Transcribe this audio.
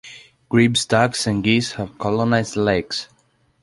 Grebes, ducks and geese have colonised the lakes.